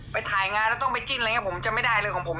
ไปถ่ายงานแล้วต้องไปจิ้นอะไรอย่างนี้ผมจะไม่ได้เลยของผม